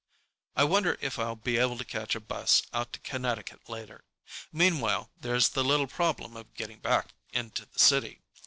I wonder if I'll be able to catch a bus out to Connecticut later. Meanwhile, there's the little problem of getting back into the city.